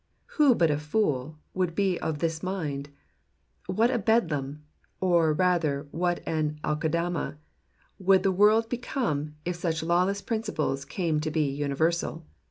Who but a fool would be of this mind ? What a Bedlam, or rather what an Aceldama, would the world become if such lawless principles came to be univei:sal